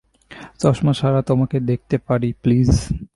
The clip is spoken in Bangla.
চশমা ছাড়া তোমাকে দেখতে পারি, প্লিজ?